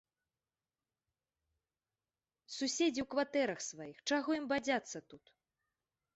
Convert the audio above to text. Суседзі ў кватэрах сваіх, чаго ім бадзяцца тут.